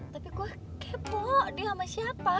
tapi gue kepo dia sama siapa